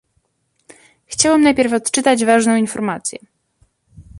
Chciałem najpierw odczytać ważną informację